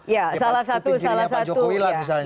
ya salah satu salah satu